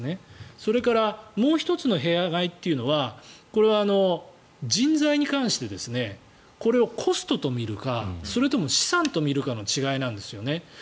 それからもう１つの弊害というのはこれは、人材に関してこれをコストと見るかそれとも資産と見るかの違いなんですよね。